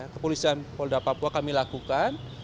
kepolisian polda papua kami lakukan